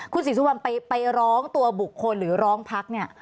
คุณศรีสุวรรณไปร้องตัวบุคคลหรือร้องพักเนี่ย